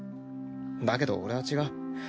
だけど俺は違う。